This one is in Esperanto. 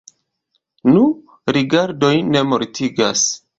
Nu, rigardoj ne mortigas.